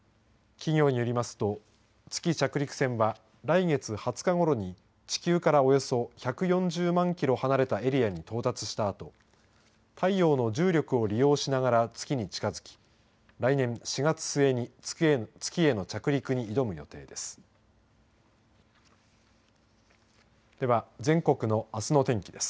企業によりますと月着陸船は来月２０日ごろに地球からおよそ１４０万キロ離れたエリアに到達したあと太陽の重力を利用しながら月に近づき来年４月末に月への着陸に挑む予定です。